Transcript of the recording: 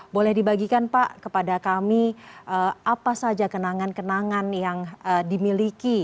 boleh dibagikan pak kepada kami apa saja kenangan kenangan yang dimiliki